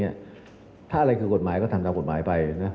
ถ้าอะไรคือกฎหมายก็ทำตามกฎหมายไปนะ